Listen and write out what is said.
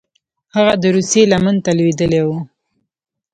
هغه د روسیې لمنې ته لوېدلي وه.